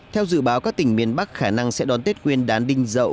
theo dự báo các tỉnh miền bắc khả năng sẽ đón tết nguyên đán đinh dậu